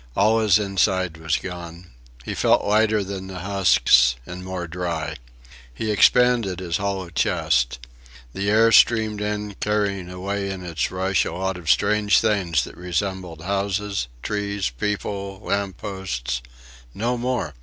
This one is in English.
All his inside was gone. He felt lighter than the husks and more dry. He expanded his hollow chest. The air streamed in, carrying away in its rush a lot of strange things that resembled houses, trees, people, lamp posts.... No more!